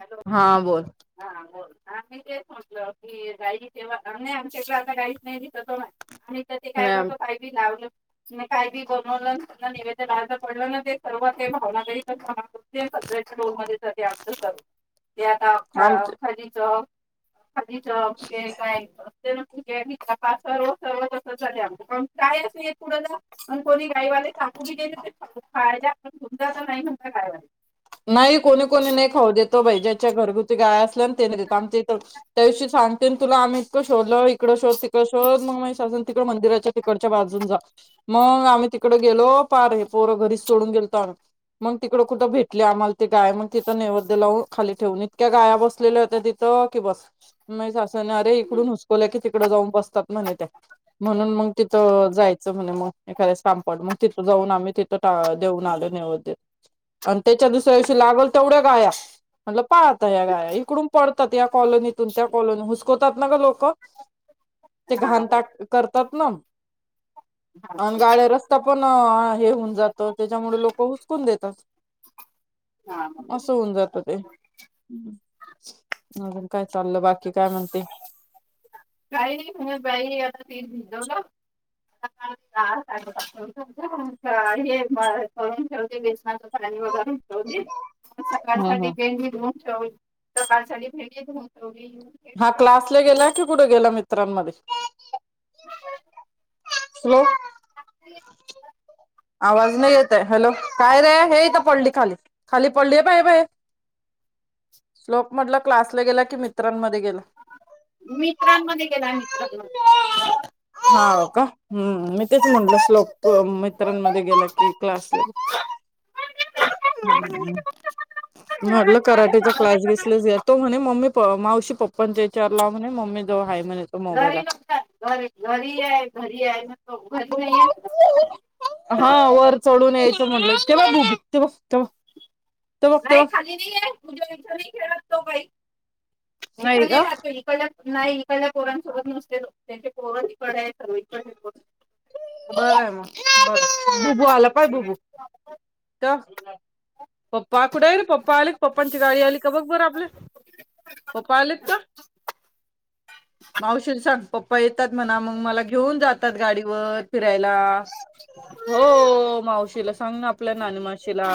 Hello हा बोल हा बोल आम्ही ते म्हटलं की गाई तेव्हा नाही आमच्याकडे आता गाईच नाही दिस तो्हा आणि तर ते काय नाही करतो काही बी लावलं काय बी बनवलं त्यांना निवेदन दय पडलं ना ते सर्व ते भावनाग सत्याच्या दोोल मध्ये तस ते आता अख आम अखा ज चौ खाली ज घ काय असते ठी आहे सर्व सर्व तसं झाले आम पण कायच नाही पुुढं जा पण कोणी गायवाले सांगू गेले खायला पण समजा तर नाही म्हणता गायवाले नाही कोणी कोणी नाही खाऊ देतो बा ज्याच्या घर ती गाय करते म्हणजे आमाच्या‌ ईध त्याविषयी सांगते तुला आम्ही इतक शोधल इकड शोध तीकडे शोध मग‌माया सासुने तीकड मंदिराच्या तिकडच्या बाजून जा मग आम्ही तिकडे गेलो पार आहे पोरं घरीच सोडून गेलो आ मग तिकड कुठं भेट तथ आम्हाला त गाय मग तिथं नैवद्य लावून खाली ठेवून इतक्या गाया बसलेल्या होत्या तिथं कि बस नय चलनारे इकडुन हसपोले कि त जाऊन बसतात म्हणे त्या म्हणून मग तिथं जायचं म्हणे मग एखाद्या काम पड मग तिथं जाऊन आम्ही तिथं देऊन आलो निव आणि त्याच्या दुसऱ्या दिवशी लागल तेवढ्या गाया म्हणलं पाहत या गाया इकडून पडतात या कॉलनीतून त्या कॉलोनी हुसकवतात ना ग लोक ते हा घणता बरोबर करतात ना हा अ गाळ्या रस्ता पण हे होऊन जात त्याच्यामुळे लोक हुसकून देतात हा बरोबर असं होऊन जात ते अजून काय चाललं बाकी की काय म्हणते काही म्हण बाई आता ती भिजवलं हे म करून ठेवते बेसनाच पाणी वगर सकाळसाठी गे पाळ साली भेटेत होतो हा क्लासला गेला की पुढे गेला मी मित्रांमध्ये ह आवाज नाही येतय हॅलो काय रे हे यथ पडली खाली खाली पडली बा हे बा शलोक म्हटलं क्लास क्लासला गेला की मित्रांमध्ये गेला मित्रांमध्ये गेला मित्रांमध्ये हा का हम्म मी तेच म्हटलं स्लोक मित्रांमध्ये गेला कि क्लास म्हटलं कराटेचा क्लास घसलाच या तो म्हणे मम्मी प मावशी पप्पांच्या एचावर लाव म्हने. मम्मी जवळ हाय. मला तर घरी मोबाईला नसतात घरी घरी आहे घरी आहे तो घरी नाही आहे तेव्हा तेव तेव नाही खाली नाही आहे मुे इथे नाही खेलकतो भाई इथं नाही मी का राहतो इकड नाही इकडल्या पोरांसोबत नसते त्यांचे पोर इकडे आहेत सर्व इकड पोर बरं आहे मग बर बुबू आल पळ बबू का पप्पा कुठे गेले पप्पा आले पप्पांची गाडी आली का बघ बरं आपले पप्पा आलेत का मावशीने सांग पप्पा येत म्ह मग मला घेऊन जात त गाडी त फिरायला हो मावशीला सांग ना आप ना माशीला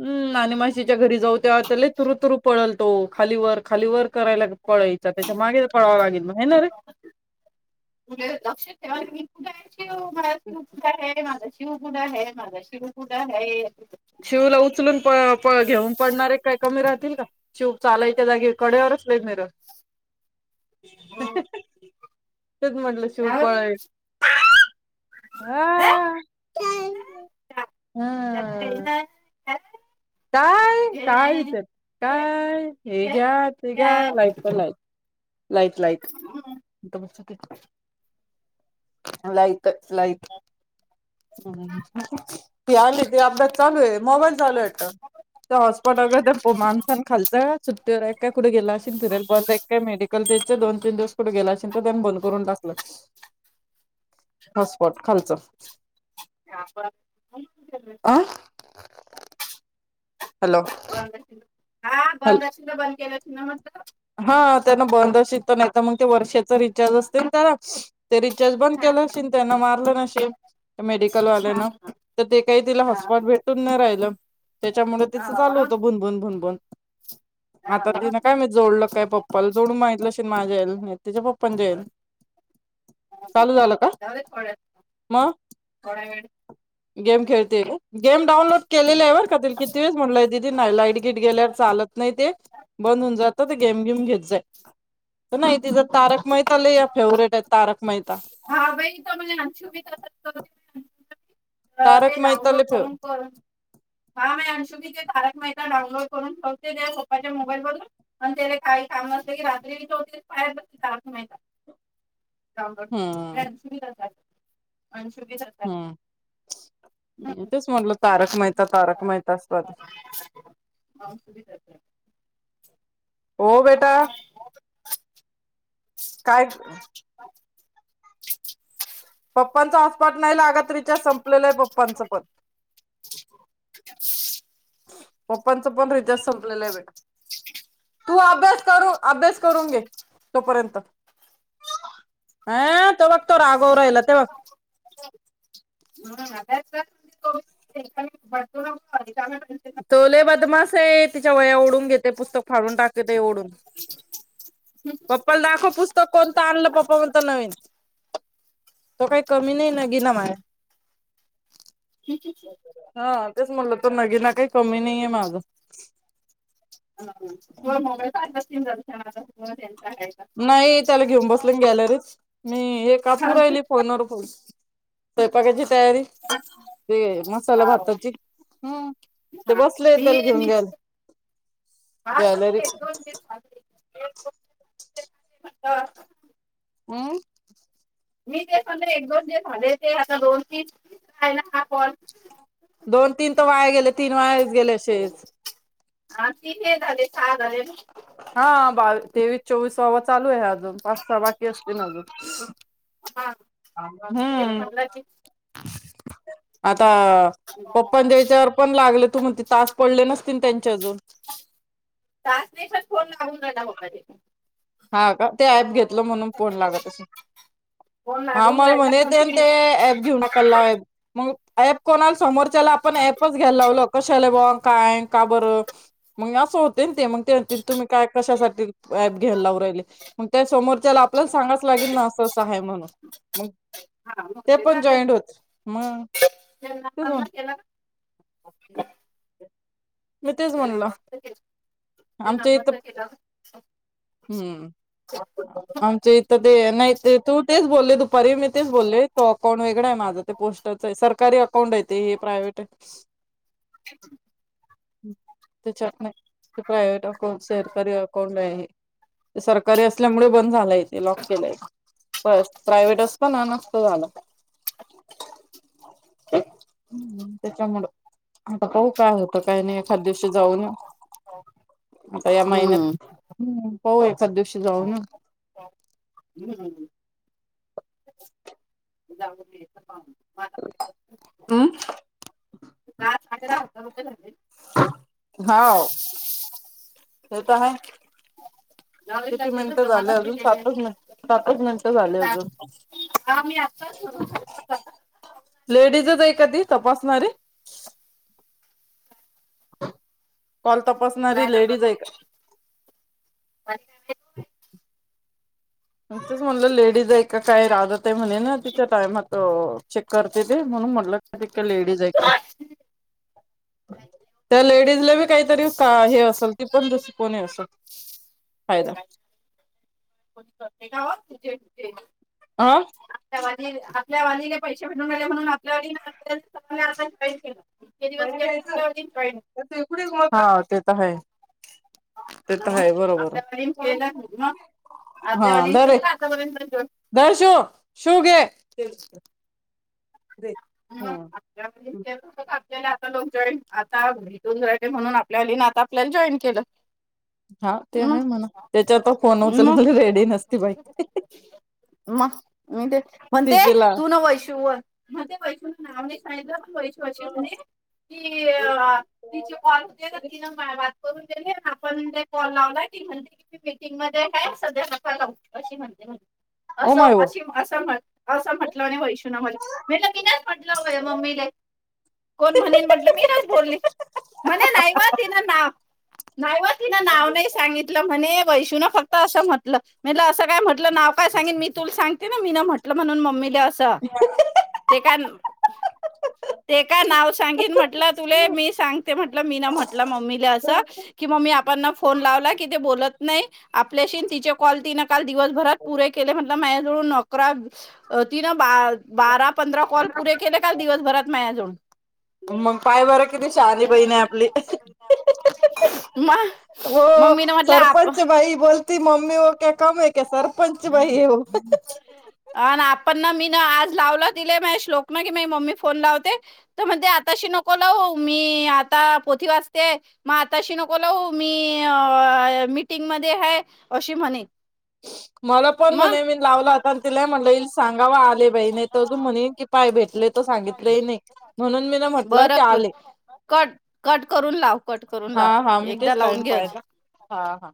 ह् ना माशीच्या घरी जाऊ त्या ल तुरु तुरु पळल तो खाली वर खाली वर करायला पळायचा त्याच्या मागे पळावा लागेल हे ना रे. लक्ष ठेवा शि मलाशी उ कुडा आहे माझ शिवपुडा आहे माझा शिर कुठ आहे शिवला उचलून प प घेऊन पडणारे काय कमी राहतील का? शिव चालायच्या जागी कडेवरच घेऊन मिरव, हम्म. [unintelligible] तेच म्हटलं शिव हा. पळ, आ.. [unintelligible] [unintelligible] काय काय, विचार काय हे घ्या, ते घ्या लाईट पण light light light, light, light. ती आली ती अभ्यास चालू आहे मोबाईल चालू ये वाटत ते हॉटस्पॉट ते मागताना खालच. तर काय कुठे गेला असशील फिरायला बंद ये काय मेडीकल त्याच्या दोन तीन दिवस कुठे गेला असशील तर त्यान बंद करून टाकलं. हॉटस्पॉट खालचं. [unintelligible] आई. आं हॅलो हा बंद असेल तर बंद केलं न मत हा त्यांना बंद अस तर नाही तर मग ते वर्षाचा रिचार्ज असते ना त्याला ते रिचार्ज बंद हा, केलं असश त्यांना मारलं नशन मेडिकल हा, वाल्याना तर ते काही तिला हा, हॉस्पिटल भेटून न राहिलं त्याच्यामुळे हा, तिचं चालू हा, होतं भुनबुून भुनबून हा, आता हा. तिन काय मी जोडलं प्पाला जो माहित मा जाईल त्याच्या पप्पन जाईल ह जा थोड्या मग थोडा वेळ गेम खेळते गेम डानलोड केलेलं आहे वर का किती वेस म्हटलय दिदी नाही लाईट गिट गेल्या चालत नाही ते बंद होऊन जात घेम घेम घेत जाई नाही तिथ तारक मेहता ल या फेवरेट आहेत तारक मेहता हा बाई तर म्हणे अंशुभी तसंच करते ते तारक मेहता डाउनलोड लय फेव करून करून हा म अंशुीचे ारक महिता डाऊनलोड करून ठेवते त्या सोपाच्या मोबाईल वरून आणि त्याला काही काम नसते की रात्री ठेवतेहेर काळखम का डाउनलोड केले अंशुभी तसा हम् तेच म्हटलं तारक मेहता तारक मेहता असतात तर हो बेटा काय पप्पांचा हसपाट नाही लागात रिच्या संपलेलं आहे पप्पांचं पत [inaudible] पप्पांच पण रिचाज संपलेलं आहे भेट तू अभ्यास करू अभ्यास करून घे तोपर्यंत ह तेघ तो रागा राहिला तेव्हा [unintelligible] चले नको. बदमास आहे तिच्या वया ओढून घेते पुस्तक फाडून टाकेत ओढून पप्पाला दाखव पुस्तक कोणतं आणलं पप्पा म्हणत नवीन तो काही कमी नाही न गी ना मला [unintelligible] तेच मुलं तर नगि ना काही कमी नाहीये माझं ह ह तु मळ काय ती झाल. हा ब [unintelligible] नाही त्याला घेऊन बसले मी गॅलरीत मी हे काकू हाव राहिली फोनवर फ स्वयंपाकाचे. तयारी ते मसाला भाताची, ते हा बसले मी त्याला घेऊन मी ग्याल पाहत होते ग्यालरीत. एक दोन हा. हम् मी ते सले एक दोन जे झाले, ते आता रोज रायला हा कॉल. दोन तीन तर वाया गेले. तीन वेळास गेले असेच. हा तिथे झाले सहा झाले ना. हा बावी तेवीस चोवीस वावा चालू आहे. अजून पाच स बाकी असतील अजून. हा. हम्म मी तेच म्हणलं की आ ता ओपनच्या याच्यावर पण लागले तू म्हणते, तास पडले नसतील त्यांचे अजून. खाऊ आला होका ते. हा का ते ऍप घेतलं म्हणून फोन लागत असे, फोन हा लागून मला राहिला म्हणे ते ते कंटिन्यू ऍप घेऊ नकाल ला मग. ॲब कोणाल समर त्याला आपण ॲप घ्यायला लावल कशाला बुवा. काय का बरं मग असं होते. ते मग तुम्ही काय कशासाठी. घेल् लावरले. म त्या समोर. त्याला आपल्याला सांगाच लागेल ना असं असं आहे. म्हणून मग हा मग ते पण झालं. जॉईंट होत मग त्यांना ते जा. म्हणलं केला का? हा की रे. मी तेच म्हणलं. ते केलं. ते आमच्या इथ नम्रता केला हम्म आमच्या इथ ते नाही तू तेच बोलले, दुपारी मी तेच बोलल तो. कोणाकडे आहे माझा त्या पोस्टच आहे. सरकारी अकाउंट आहे. ते हे प्रायव्ट. [unintelligible] ते चट नाही. ते प्रायव्हेट आ. हो शेरकीरी अकाउंट आहे. सरकारी असल्यामुळे बंद झाला, येते लॉक केलाे प्रायव्ट असत ना, नत झालं त्याच्यामुळ आता पा काय होत. काय नाही एखाद्या. च जाऊन येऊ. आता या महिन्यात. हम्म हो सदृश जाऊ ना जाऊन मला हम गग रा होता होत झाले हो तर आहे जाऊ दे किती लक्ष मिनिटं जमा झाले नसते अजून केले सातच मि सातच मिनिटं झाले अजून आम्ही आत्ताच सुरू लेडीजच एक कधी तपासणारे कॉल काय तपासणारी तर लेडीज आहे का नच म्हटलं लेडीजऐ काय राहत म्हणे ना तिच्या टायमात चेक करते ते म्हणून म्हटलं लेडीज आहे त्या लेडीज काहीतरी का हे असेल ती पणुस कोणी असत फायदा हा आतामध्येझ या वाजले पैसे भेवून आले म्हणून आपल्या व आता जॉईन केलं इतके दिवस केलं यच आपल्या वालीने जॉईन हा ते तर ह ते तर मग आहे बरोबर आपल्या वालीने केलं मग हा आपल्या वालीने रे केलं का आतापर्यंत र शू शू घे ह के आता लोक जॉईन आता भेटून झाले म्हणून आपल्या लली आता आपल्याला जॉईन केलं हा ते हम् आहे म्हणा त्याच्या आता फोन म उचलायला रेडी नसती बाई म ते म्हणते तिचेला तू न वैशि तेै नाम्ही सायदा अे म्हणे की तिचे कॉल होते तिन करून दिले आपण ज कॉल लावला की म्हणते की मीटिंग मध्ये काय सध्या नफ ला अशी म्हणते म्हण ओ असं माय ओ अशी असं म्हण असं म्हटलं आणि वैश री म्हेट की नाही म्हट म्मी कोण म्ह म्हटलं मी ना बोलली म्हणे नाही तिन ना नाही तिन नाव नाही सांगितलं म्हणे वैषूून फक्त असं म्हटलं म्हणलं असं काय म्हटलं नाव काय सांगेल मी तुला सांगते ना मी म्हटलं म्हणून मम्मी असं ते का ते का नाव सांगीन म्हटलं तुले मी सांगते म्हटलं मी न म्हटलं मम्मीला अस की मम्मी आपर्णा फोन लावला कि ते बो नाही आपल्याशी तिचे कॉल तीन काल दिवसभरात पुरे केले म्हटल मय नो करा तीन बारा पंधरा कॉल पुरे केले काल दिवसभरात माझ्याजवळून म पाय बर किती शहानी बहीण आहे आपली मग व मग मी ना म्हटलं आप सरपंच बाई बोलती मम्मी व क कम आहे का सरपंच बाई हो पण ना मी ना आज लावलं तीले मया श्लोक म की मी मम्मी फोन लावते तर म्हणते आताशी नको लावू मी आता पोथी वाचतेय म आताशी नको लावू मी मीटिंग मध्ये हाय अशी म्हणे. मला पण मग म्हणे मी लावला होता न तिला म्हटलं इला सांगाव आले बाई नाही तर अजून म्हणेन की पाय भेटले त सांगितलं नाही म्हणून मी ना म्हटलं बरं की आले कट कट करून लाव कट करून हा हा लाव मी एकदा तेच टईम लावून घे अजून पाहाला हा हा.